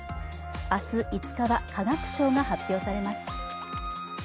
明日、５日は化学賞が発表されます。